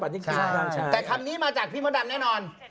จริงแต่คำนี้มาจากพี่มดดำแน่นอน